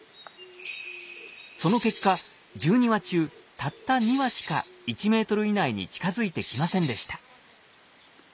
その結果１２羽中たった２羽しか１メートル以内に近づいてきませんでした。